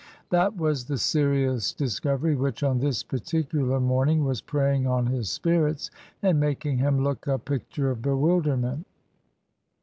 That was the serious discovery which, on this particular morning, was preying on his spirits and making him look a picture of bewilderment.